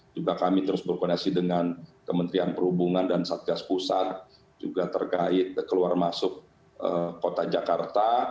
juga kami terus berkoneksi dengan kementerian perhubungan dan satgas pusat juga terkait keluar masuk kota jakarta